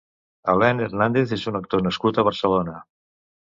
Alain Hernández és un actor nascut a Barcelona.